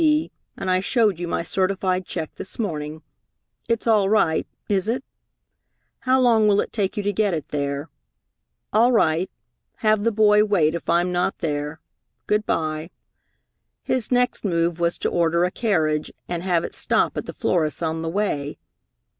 D., and I showed you my certified check this morning. It's all right, is it? How long will it take you to get it there?... All right. Have the boy wait if I'm not there. Good by." His next move was to order a carriage, and have it stop at the florist's on the way.